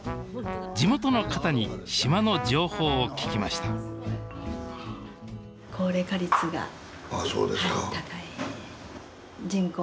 地元の方に島の情報を聞きましたああそうですか。